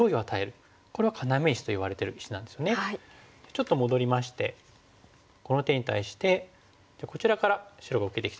ちょっと戻りましてこの手に対してじゃあこちらから白が受けてきたらどうしましょう？